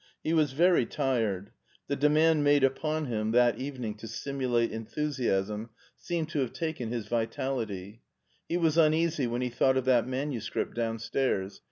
He was very tired. The demand made upon him that a6« MARTIN SCHULER evening to simulate enthusiasm seemed to have taken his vitality. He was uneasy when he thought of that manuscript downstairs.